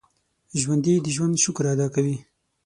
ژوندي د ژوند شکر ادا کوي